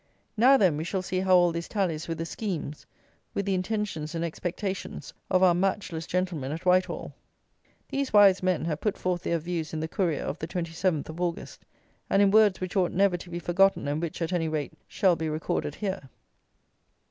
Now then we shall see how all this tallies with the schemes, with the intentions and expectations of our matchless gentlemen at Whitehall. These wise men have put forth their views in the Courier of the 27th of August, and in words which ought never to be forgotten, and which, at any rate, shall be recorded here.